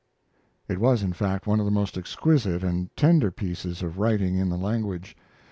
It was, in fact, one of the most exquisite and tender pieces of writing in the language.